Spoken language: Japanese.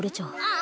あ